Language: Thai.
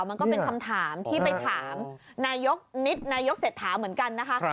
มันก็เป็นคำถามที่ไปถามนายกนิดนายกเศรษฐาเหมือนกันนะคะ